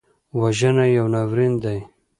وژنه یو ناورین دی